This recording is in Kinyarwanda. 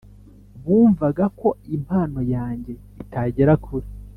bumvaga ko impano yange itagera kure